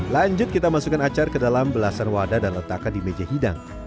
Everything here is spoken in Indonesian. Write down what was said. lanjut kita masukkan acar ke dalam belasan wadah dan letakkan di meja hidang